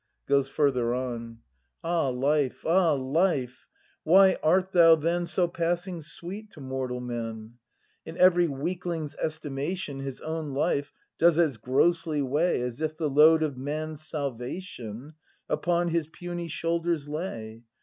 [Goes further on.] Ah life ! ah life ! Why art thou then So passing sweet to mortal men ? In every weakling's estimation His own life does as grossly weigh As if the load of man's salvation Upon his puny shoulders lay.